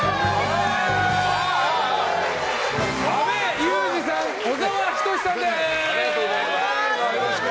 阿部祐二さん、小沢仁志さんです。